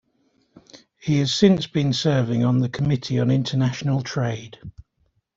He has since been serving on the Committee on International Trade.